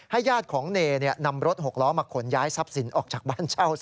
ญาติของเนนำรถ๖ล้อมาขนย้ายทรัพย์สินออกจากบ้านเช่าซะ